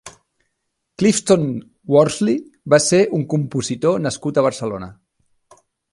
Clifton Worsley va ser un compositor nascut a Barcelona.